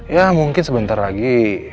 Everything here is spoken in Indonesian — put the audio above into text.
ya mungkin sebentar lagi